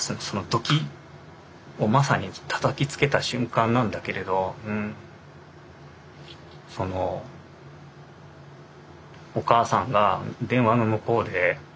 そのドキッをまさにたたきつけた瞬間なんだけれどそのお母さんが電話の向こうで。